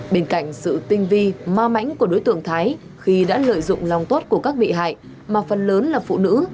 bên cạnh sự tinh vi ma mãnh của đối tượng thái khi đã lợi dụng lòng tốt của các bị hại mà phần lớn là phụ nữ